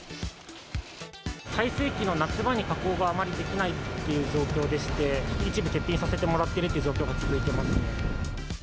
最盛期の夏場に加工があまりできないっていう状況でして、一部欠品させてもらっているという状況が続いていますね。